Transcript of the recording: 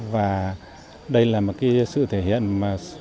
và đây là một sự thể hiện sự quan tâm